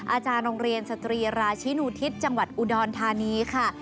อาจารย์โรงเรียนสตรีราชินูทิศจังหวัดอุดรธานีค่ะ